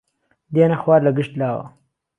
دێنە خوار لە گشت لاوە